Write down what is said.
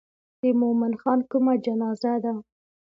د مومن خان کومه جنازه ده.